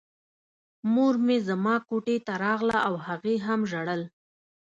مور مې زما کوټې ته راغله او هغې هم ژړل